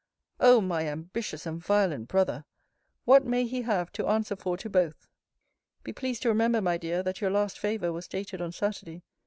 Oh! my ambitious and violent brother! What may he have to answer for to both! Be pleased to remember, my dear, that your last favour was dated on Saturday.